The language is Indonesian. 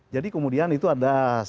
jadi kemudian itu ada